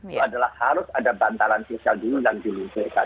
itu adalah harus ada bantalan sosial dulu yang diluncurkan